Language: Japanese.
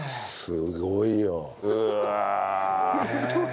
すごいよ。